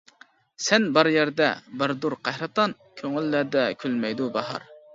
سەن بار يەردە باردۇر قەھرىتان، كۆڭۈللەردە كۈلمەيدۇ باھار.